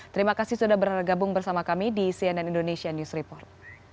terima kasih sudah bergabung bersama kami di cnn indonesia news report